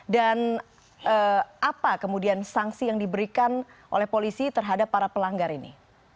dan apa kemudian sanksi yang diberikan oleh polisi terhadap para pelanggar ini